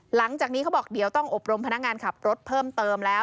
หลังจากนี้เขาบอกเดี๋ยวต้องอบรมพนักงานขับรถเพิ่มเติมแล้ว